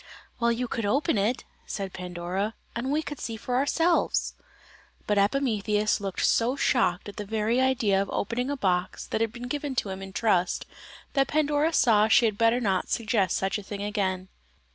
"Well, you could open it," said Pandora, "and we could see for ourselves!" But Epimetheus looked so shocked at the very idea of opening a box that had been given to him in trust, that Pandora saw she had better not suggest such a thing again.